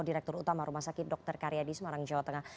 direktur utama rumah sakit dr karyadi semarang jawa tengah